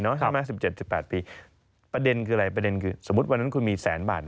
ใช่ไหม๑๗๑๘ปีประเด็นคืออะไรประเด็นคือสมมุติวันนั้นคุณมีแสนบาท